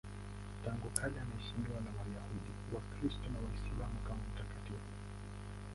Tangu kale anaheshimiwa na Wayahudi, Wakristo na Waislamu kama mtakatifu.